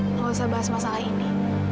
nggak usah bahas masalah ini